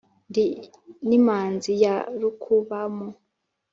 Ndi n’ Imanzi ya Rukubamo